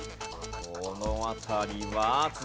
この辺りは。